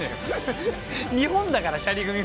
日本だからシャリ組は。